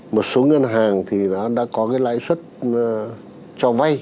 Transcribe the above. một số ngân hàng đã có lãi xuất cho vay